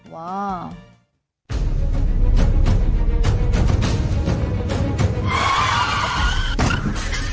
ว้าว